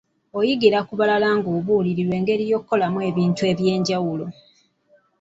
Oyigira ku balala ng'obulirirwa engeri y'okukolamu ebintu eby'enjawulo.